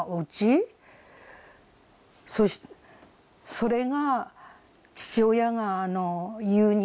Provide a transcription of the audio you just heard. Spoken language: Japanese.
それが。